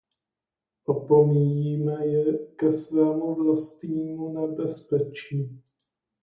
Opomíjíme ji ke svému vlastnímu nebezpečí.